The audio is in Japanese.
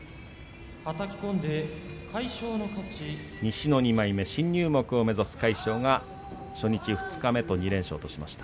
西の２枚目、新入幕を目指す魁勝が初日、二日目と勝ちました。